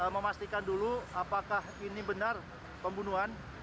memastikan dulu apakah ini benar pembunuhan